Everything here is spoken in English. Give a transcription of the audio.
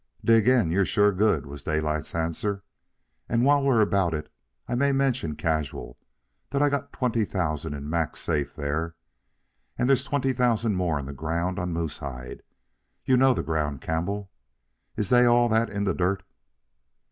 "Dig in; you're sure good," was Daylight's answer. "And while we're about it, I may mention casual that I got twenty thousand in Mac's safe, there, and there's twenty thousand more in the ground on Moosehide. You know the ground, Campbell. Is they that all in the dirt?"